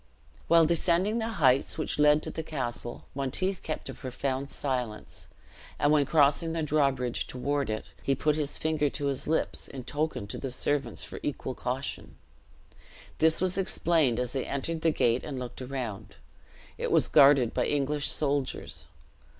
While descending the heights which led to the castle, Monteith kept a profound silence; and when crossing the drawbridge toward it, he put his finger to his lips, in token to the servants for equal caution. This was explained as they entered the gate and looked around. It was guarded by English soldiers.